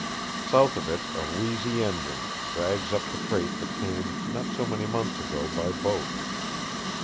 South of it a wheezy engine drags up the freight that came not so many months ago by boat.